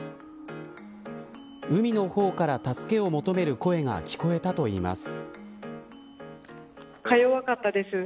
海の方から助けを求める声が聞こえたといいます。